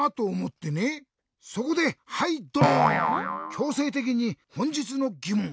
きょうせいてきにほんじつのぎもん。